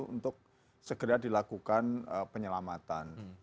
untuk segera dilakukan penyelamatan